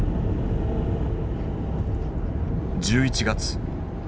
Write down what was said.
１１月。